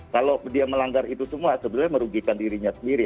kalau dia melanggar itu semua sebenarnya merugikan dirinya sendiri